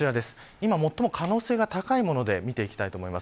今最も可能性が高いもので見ていきます。